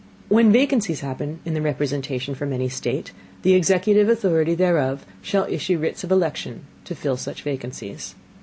When vacancies happen in the Representation from any State, the Executive Authority thereof shall issue Writs of Election to fill such Vacancies.